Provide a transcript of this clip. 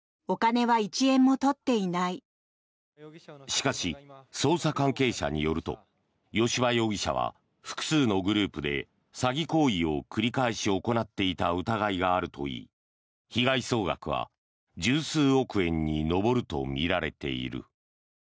しかし、捜査関係者によると吉羽容疑者は複数のグループで詐欺行為を繰り返し行っていた疑いがあるといい被害総額は１０数億円に上るとみられている。